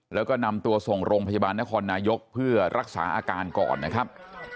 แล้วก็นำตัวส่งโรงพยาบาลนครนายกเพื่อรักษาอาการก่อนนะครับ